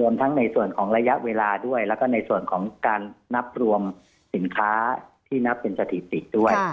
รวมทั้งในส่วนของระยะเวลาด้วยแล้วก็ในส่วนของการนับรวมสินค้าที่นับเป็นสถิติด้วย